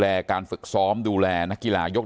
แล้วคุณแม่บอกลูก๓คนนะคะพี่ชายของน้องฟาในอายุ๑๘อยู่ม๖